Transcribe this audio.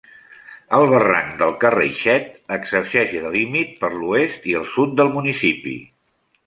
El barranc del Carraixet exerceix de límit per l'oest i el sud del municipi.